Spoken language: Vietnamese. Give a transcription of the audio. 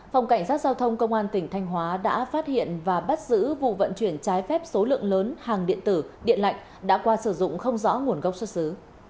phòng cảnh sát giao thông công an tỉnh thanh hóa đã phát hiện và bắt giữ vụ vận chuyển trái phép số lượng lớn hàng điện tử điện lạnh đã qua sử dụng không rõ nguồn gốc xuất xứ